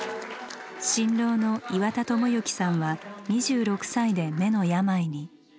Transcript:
新郎の岩田朋之さんは２６歳で目の病に。